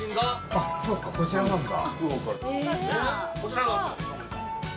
あっそうかこちらなんだ。